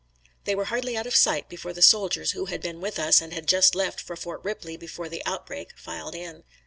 They were hardly out of sight before the soldiers who had been with us and had just left for Fort Ripley before the outbreak, filed in.